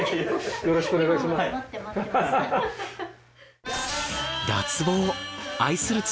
よろしくお願いします。